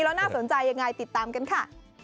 แล้วน่าสนใจยังไงติดตามกันค่ะ